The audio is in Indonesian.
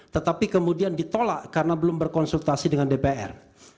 tetapi kemudian ditolak karena belum berkonsultasi dengan dpr